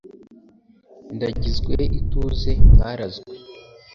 ndagizwe ituze mwarazwe